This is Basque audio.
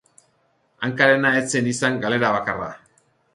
Hankarena ez zen izan galera bakarra.